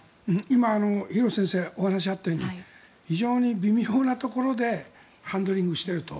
今、廣瀬先生のお話にあったように非常に微妙なところでハンドリングしていると。